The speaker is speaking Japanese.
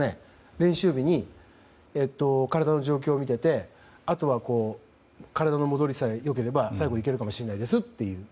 練習日に体の状況を見ていてあとは、体の戻りさえ良ければ最後いけるかもしれないですって。